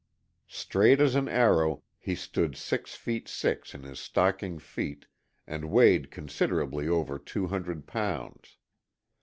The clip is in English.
Straight as an arrow, he stood six feet six in his stocking feet, and weighed considerably over two hundred pounds.